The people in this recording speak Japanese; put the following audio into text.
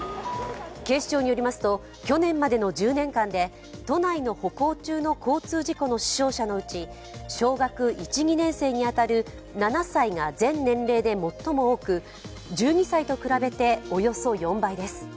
警視庁によりますと去年までの１０年間で都内の歩行中の交通事故の死傷者のうち小学１・２年生に当たる７歳が全年齢で最も多く１２歳と比べておよそ４倍です。